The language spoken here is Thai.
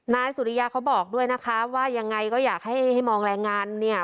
นายสุริยาเขาบอกด้วยนะคะว่ายังไงก็อยากให้มองแรงงานเนี่ย